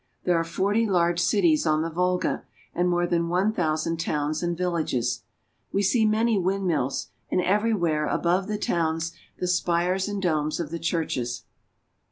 There are forty large cities on the Volga, and more than one thousand towns and villages. We see many windmills, and everywhere, above the towns, the spires and domes of the churches.